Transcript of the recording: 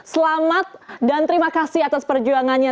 selamat dan terima kasih atas perjuangannya